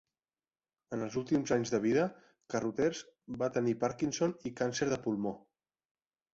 En els últims anys de vida, Carruthers va tenir Parkinson i càncer de pulmó.